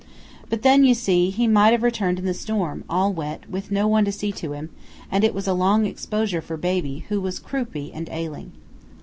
But then, you see, he might have returned in the storm, all wet, with no one to see to him; and it was a long exposure for baby, who was croupy and ailing.